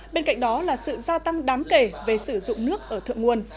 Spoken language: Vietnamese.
bên cạnh đó là sự gia tăng đáng kể về sử dụng nước ở thượng nguồn